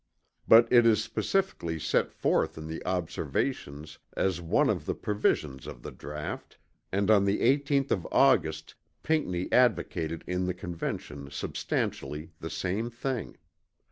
But it is specifically set forth in the Observations as one of the provisions of the draught; and on the 18th of August Pinckney advocated in the Convention substantially the same thing.